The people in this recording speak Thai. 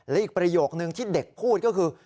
และอีกประโยคนึงที่เด็กพูดก็คือ